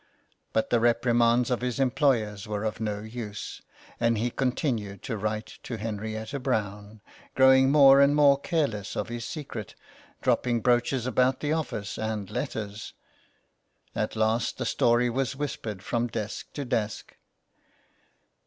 But the reprimands of his employers were of no use, and he continued to write to Henrietta Brown, grow ing more and more careless of his secret, dropping brooches about the office, and letters. At last the story was whispered from desk to desk.